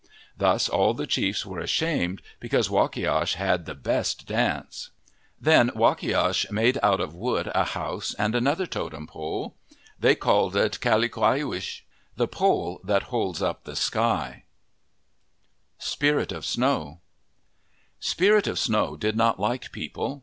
Thus all the chiefs were ashamed because Wakiash had the best dance. Then Wakiash made out of wood a house and another totem pole. They called it Kalakuyuwish, "the pole that holds up the sky." MYTHS AND LEGENDS SPIRIT OF SNOW SPIRIT of Snow did not like people.